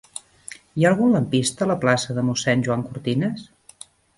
Hi ha algun lampista a la plaça de Mossèn Joan Cortinas?